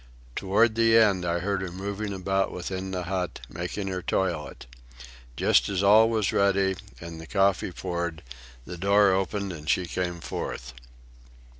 Toward the end, I heard her moving about within the hut, making her toilet. Just as all was ready and the coffee poured, the door opened and she came forth.